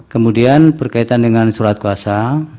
kemudian berkaitan dengan surat kuasa